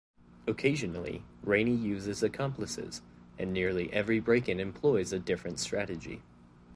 Occasionally, Rainey uses accomplices, and nearly every break-in employs a different strategy.